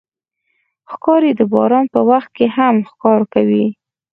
ښکاري د باران په وخت کې هم ښکار کوي.